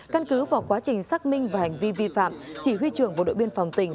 căn cứ vào quá trình xác minh và hành vi vi phạm chỉ huy trưởng bộ đội biên phòng tỉnh